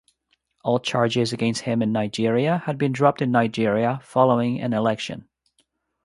All charges against him in Nigeria had been dropped in Nigeria following an election.